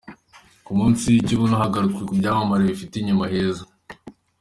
Ku munsi w’ibibuno hagarutswe ku byamamare bifite inyuma heza.